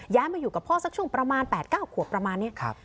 มาอยู่กับพ่อสักช่วงประมาณ๘๙ขวบประมาณนี้